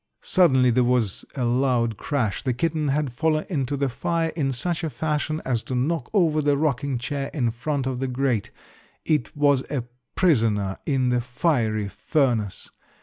Suddenly there was a loud crash. The kitten had fallen into the fire in such a fashion as to knock over the rocking chair in front of the grate. It was a prisoner in the fiery furnace.